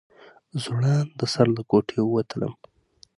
زوړنده سر له کوټې ووتلم.